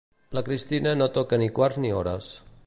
La Cristina no toca ni quarts ni hores.